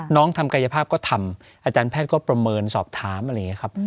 ทำกายภาพก็ทำอาจารย์แพทย์ก็ประเมินสอบถามอะไรอย่างนี้ครับ